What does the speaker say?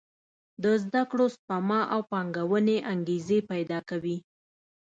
د زده کړو، سپما او پانګونې انګېزې پېدا کوي.